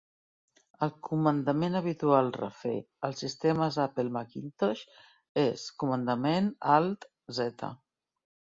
El comandament habitual "Refer" als sistemes Apple Macintosh és Comandament-Alt-Z.